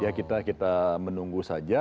ya kita menunggu saja